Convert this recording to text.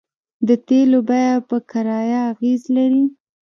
د تیلو بیه په کرایه اغیز لري